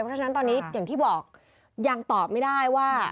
เพราะฉะนั้นตอนนี้อย่างที่บอกยังตอบไม่ได้ว่า